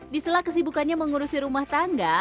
di sela kesibukannya mengurusi rumah tangga